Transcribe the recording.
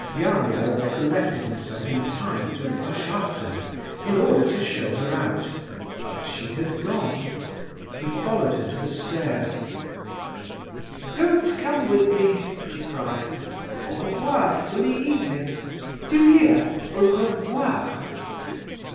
Gania recollected himself in time to rush after her in order to show her out, but she had gone. He followed her to the stairs. "Don't come with me," she cried, "Au revoir, till the evening—do you hear? _Au revoir!